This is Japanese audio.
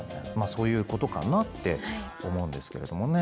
そういうことかなって思うんですけれどもね。